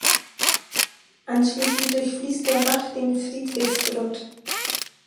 Anschließend durchfließt der Bach den Friedrichsgrund.